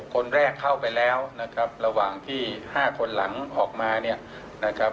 ๖คนแรกเข้าไปแล้วระหว่างที่๕คนหลังออกมา